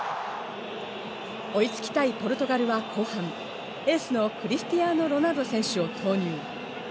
追いつきたいポルトガルは後半、エースのクリスティアーノ・ロナウド選手を投入。